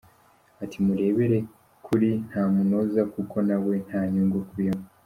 Ati “Murebere kuri Ntamunoza kuko na we nta nyungu akuyemo.